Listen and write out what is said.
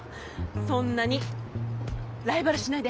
そんなにライバル視しないで。